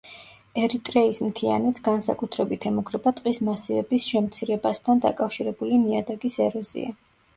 ერიტრეის მთიანეთს განსაკუთრებით ემუქრება ტყის მასივების შემცირებასთან დაკავშირებული ნიადაგის ეროზია.